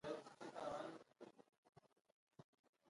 ویل یې تر دې دیوال شاته د هیکل سلیماني پاتې شوني دي.